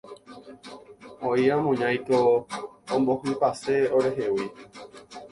Oĩva moñáiko ombohypase orehegui.